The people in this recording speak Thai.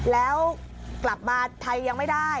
แล้วกลับมาไทยยังไม่ได้